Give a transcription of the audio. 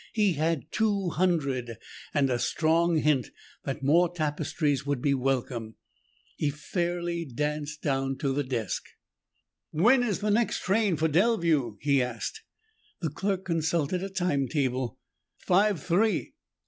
He had two hundred and a strong hint that more tapestries would be welcome. He fairly danced down to the desk. "When is the next train for Delview?" he asked. The clerk consulted a time table. "Five three."